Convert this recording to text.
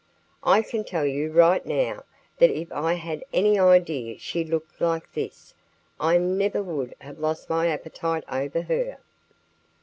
I can tell you right now that if I had any idea she looked like this I never would have lost my appetite over her!"